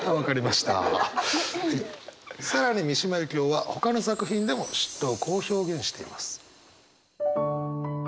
更に三島由紀夫はほかの作品でも嫉妬をこう表現しています。